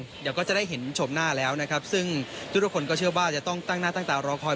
เดี๋ยวก็จะได้เห็นชมหน้าแล้วนะครับซึ่งทุกคนก็เชื่อว่าจะต้องตั้งหน้าตั้งตารอคอย